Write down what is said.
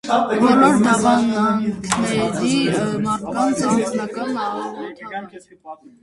Բոլոր դավանանքների մարդկանց անձնական աղոթավայր։